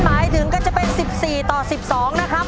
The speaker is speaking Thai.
หมายถึงก็จะเป็น๑๔ต่อ๑๒นะครับ